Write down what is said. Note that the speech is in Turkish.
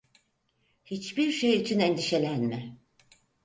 Hiçbir şey için endişelenme.